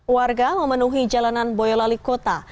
warga memenuhi jalanan boyolali kota